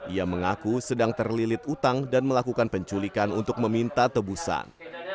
ia mengaku sedang terlilit utang dan melakukan penculikan untuk meminta tebusan